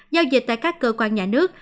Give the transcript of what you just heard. giao dịch tại các cơ quan nhà nước